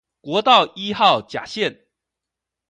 國道一號甲線